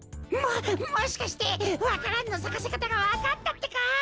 ももしかしてわか蘭のさかせかたがわかったってか！？